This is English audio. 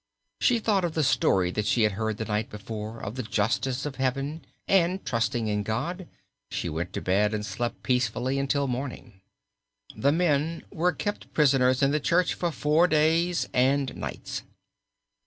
She thought of the story that she had heard the night before of the justice of Heaven and, trusting in God, she went to bed and slept peacefully until morning. The men were kept prisoners in the church for four days and nights.